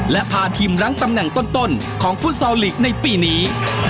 และพาทีมรั้งตำแหน่งต้นของฟุตซอลลีกในปีนี้